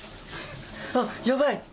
あっ、やばい！